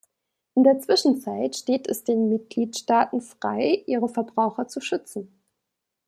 In der Zwischenzeit steht es den Mitgliedstaaten frei, ihre Verbraucher zu schützen.